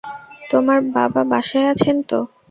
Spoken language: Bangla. তোমার বাবা বাসায় আছেন তো?